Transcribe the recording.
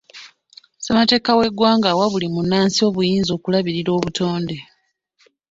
Ssemateeka w’eggwanga awa buli munnansi obuyinza okulabirira obutonde.